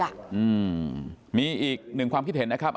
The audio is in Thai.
อืมมีอีกหนึ่งความคิดเห็นนะครับ